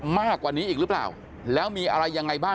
มากกว่านี้อีกหรือเปล่าแล้วมีอะไรยังไงบ้าง